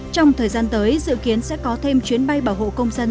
trong thời gian tới dự kiến sẽ có thêm chuyến bay bảo hộ công dân